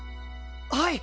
はい！